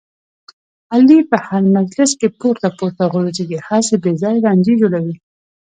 علي په هر مجلس کې پورته پورته غورځېږي، هسې بې ځایه لانجې جوړوي.